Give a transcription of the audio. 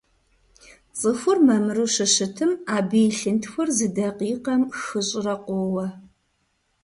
ЦӀыхур мамыру щыщытым абы и лъынтхуэр зы дакъикъэм хыщӀрэ къоуэ.